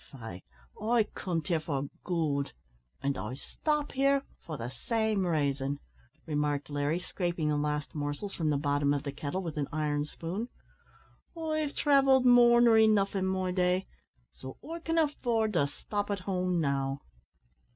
"Faix I comed here for goold, an' I stop here for the same raison," remarked Larry, scraping the last morsels from the bottom of the kettle with an iron spoon; "I've thravelled more nor enough in me day, so I can affoord to stop at home now."